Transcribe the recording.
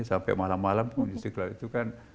sampai malam malam itu kan